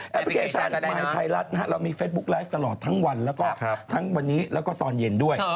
พลิเคชันมายไทยรัฐนะฮะเรามีเฟซบุ๊คไลฟ์ตลอดทั้งวันแล้วก็ทั้งวันนี้แล้วก็ตอนเย็นด้วย